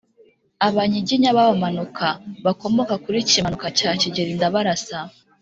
Abanyiginya b’Abamanuka bakomoka kuri Kimanuka cya Kigeli Ndabarasa